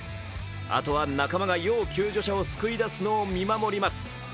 あとは仲間が要救助者を救い出すのを見守ります。